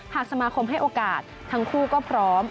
สมาคมให้โอกาสทั้งคู่ก็พร้อม